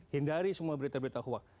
hindari semua berita berita huak